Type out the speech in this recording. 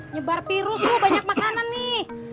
nyebar virus loh banyak makanan nih